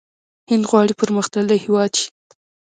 هند غواړي پرمختللی هیواد شي.